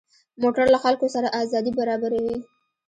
موټر له خلکو سره ازادي برابروي.